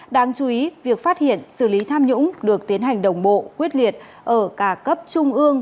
đáng chú ý việc phát hiện xử lý tham nhũng được tiến hành đồng bộ quyết liệt ở cả cấp trung ương